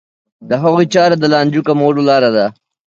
د هغوی چاره د لانجو کمولو لاره ده.